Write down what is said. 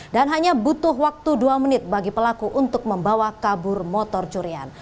dan hanya butuh waktu dua menit bagi pelaku untuk membawa kabur motor curian